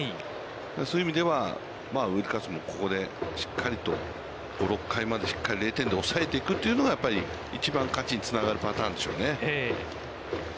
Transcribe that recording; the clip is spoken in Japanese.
そういう意味では、ウィルカーソンもここでしっかりと、５、６回までしっかり０点で抑えていくというのがやっぱり一番、勝ちにつながると思うんですけどね。